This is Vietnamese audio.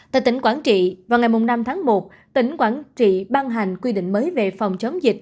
tại tỉnh quảng trị vào ngày năm tháng một tỉnh quảng trị ban hành quy định mới về phòng chống dịch